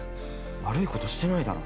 悪いことしてないだろ。